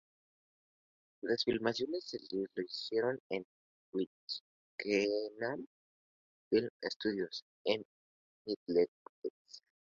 Las filmaciones de estudio se hicieron en Twickenham Film Studios, en Middlesex.